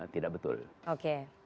tidak betul oke